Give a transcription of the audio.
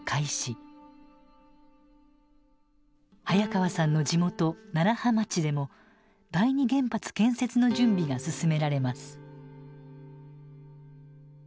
早川さんの地元楢葉町でも第二原発建設の準備が進められます。